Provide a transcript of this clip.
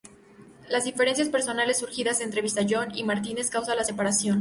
Las diferencias personales surgidas entre Villazón y Martínez causa la separación.